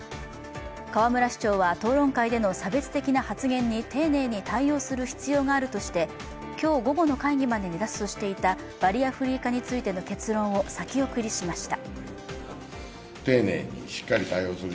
河村市長は討論会での差別的な発言に丁寧に対応する必要があるとして今日午後の会議までに出すとしていたバリアフリー化についての結論を先送りしました。